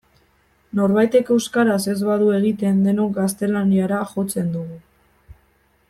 Norbaitek euskaraz ez badu egiten denok gaztelaniara jotzen dugu.